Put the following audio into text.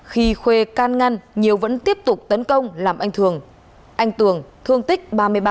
khi khuê can ngăn nhiều vẫn tiếp tục tấn công làm anh tường thương tích ba mươi ba